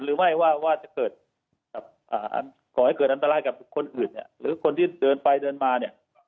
หรือไม่ว่าจะเกิดก่อให้เกิดอันตรายกับคนอื่นเนี่ยหรือคนที่เดินไปเดินมาเนี่ย